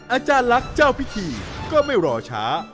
อาจารย์ลักษณ์เจ้าพิธีก็ไม่รอช้า